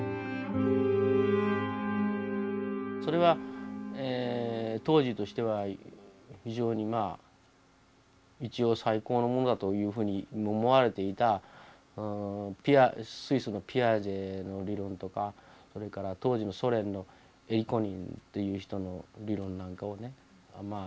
それは当時としては非常に一応最高のものだというふうに思われていたスイスのピアジェの理論とかそれから当時のソ連のエイコニンという人の理論なんかを紹介したわけですよね。